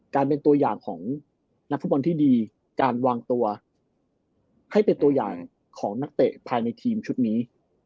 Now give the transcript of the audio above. เป็นตัวอย่างของนักฟุตบอลที่ดีการวางตัวให้เป็นตัวอย่างของนักเตะภายในทีมชุดนี้